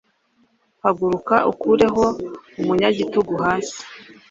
Haguruka, ukureho umunyagitugu hasi!